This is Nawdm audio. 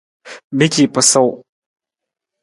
Mi ci pasuu.